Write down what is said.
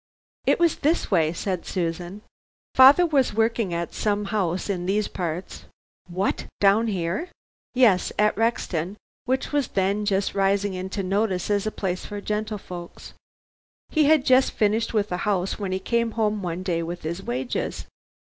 "It was this way," said Susan. "Father was working at some house in these parts " "What! Down here?" "Yes, at Rexton, which was then just rising into notice as a place for gentlefolks. He had just finished with a house when he came home one day with his wages.